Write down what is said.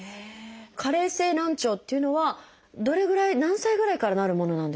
加齢性難聴っていうのはどれぐらい何歳ぐらいからなるものなんですか？